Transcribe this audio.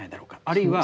あるいは。